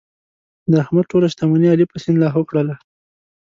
د احمد ټوله شتمني علي په سیند لاهو کړله.